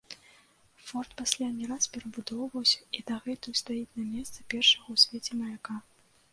Форт пасля не раз перабудоўваўся і дагэтуль стаіць на месцы першага ў свеце маяка.